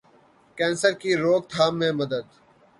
کینسرکی روک تھام میں مدد